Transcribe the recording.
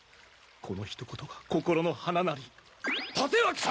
このひと言が心の花なり帯刀様！